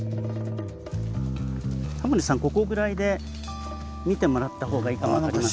タモリさんここぐらいで見てもらった方がいいかも。